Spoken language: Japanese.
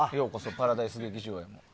パラダイス劇場へ」。